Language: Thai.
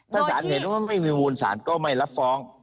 ถ้าสารเห็นว่าไม่มีมูลศาลก็ไม่รับฟ้อง